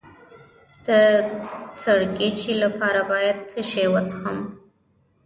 د سرګیچي لپاره باید څه شی وڅښم؟